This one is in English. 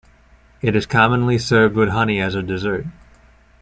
It is commonly served with honey as a dessert.